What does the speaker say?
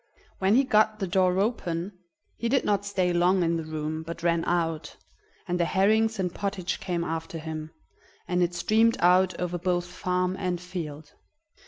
When he got the door open, he did not stay long in the room, but ran out, and the herrings and pottage came after him, and it streamed out over both farm and field.